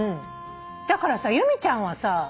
だから由美ちゃんはさ